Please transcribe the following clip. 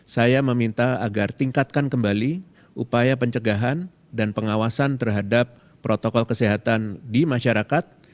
saya meminta agar tingkatkan kembali upaya pencegahan dan pengawasan terhadap protokol kesehatan di masyarakat